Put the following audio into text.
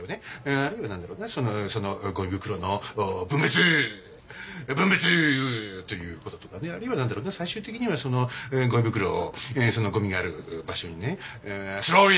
あるいは何だろうなごみ袋の分別分別ということとかねあるいは何だろうな最終的にはそのごみ袋をそのごみがある場所にねスローイン！